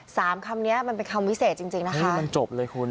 คำเนี้ยมันเป็นคำวิเศษจริงจริงนะคะมันจบเลยคุณ